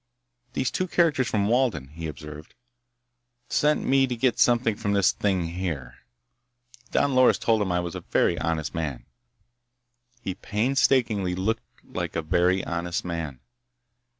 "Those two characters from Walden," he observed, "sent me to get something from this thing, here. Don Loris told 'em I was a very honest man." He painstakingly looked like a very honest man.